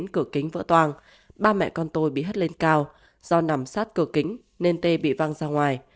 cửa kính vỡ toang ba mẹ con tôi bị hất lên cao do nằm sát cửa kính nên tê bị văng ra ngoài